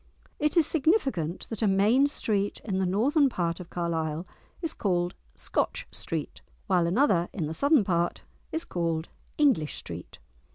It is significant that a main street in the northern part of Carlisle is called "Scotch Street," while another in the southern part is called "English Street!"